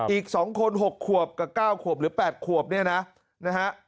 อีก๒คน๖ขวบกับ๙ขวบหรือ๘ขวบเนี่ยนะนะฮะ